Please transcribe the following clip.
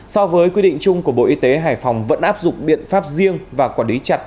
so với quy định chung của bộ y tế hải phòng vẫn áp dụng biện pháp riêng và quản lý chặt